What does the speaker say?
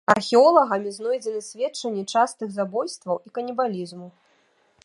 Археолагамі знойдзены сведчанні частых забойстваў і канібалізму.